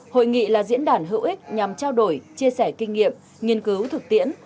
hội nghị là diễn đàn hữu ích nhằm trao đổi chia sẻ kinh nghiệm nghiên cứu thực tiễn